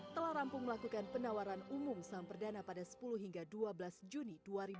telah rampung melakukan penawaran umum saham perdana pada sepuluh hingga dua belas juni dua ribu dua puluh